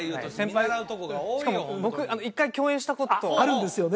しかも僕１回共演したことあるんですよね？